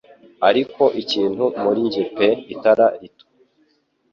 Ariko ikintu muri njye pe itara rito